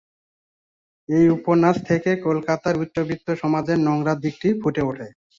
এই উপন্যাস থেকে কলকাতার উচ্চবিত্ত সমাজের নোংরা দিকটি ফুটে ওঠে।